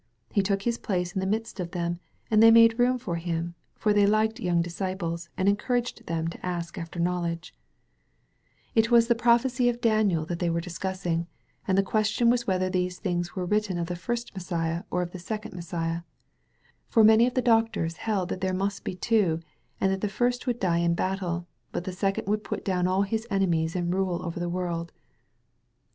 He took his place in the midst of them, and they made room for him, for they liked young disciples and encouraged them to ask after knowledge. S02 THE BOY OP NAZARETH DREAMS It was the prophecy of Daniel that they were dis« cussing, and the question was whether these things were written of the First Messiah or of the Second Messiah; for many of the doctors held that there must be two, and that the first would die in battle» but the second would put down all his enemies and rule over the world.